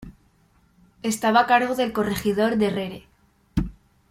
Estaba a cargo del corregidor de Rere.